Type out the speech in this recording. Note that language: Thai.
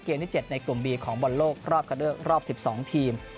เกมที่๗ในกลุ่มบีของบอลโลกรอบกันด้วยรอบ๑๒ทีม